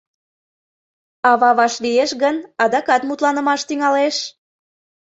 Ава вашлиеш гын, адакат мутланымаш тӱҥалеш...